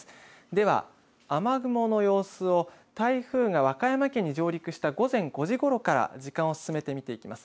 では、雨雲の様子を、台風が和歌山県に上陸した午前５時ごろから時間を進めて見ていきます。